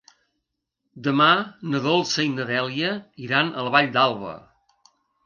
Demà na Dolça i na Dèlia iran a la Vall d'Alba.